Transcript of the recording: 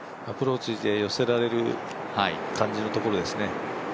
アプローチで寄せられる感じのところですね。